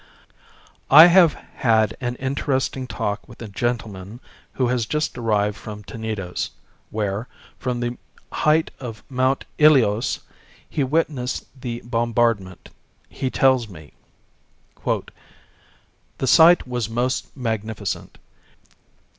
I have had an interesting talk with a gentleman who has just arrived from Tenedos, where, from the height of Mount Ilios, he witnessed the bombardment. He tells me: "The sight was most magnificent.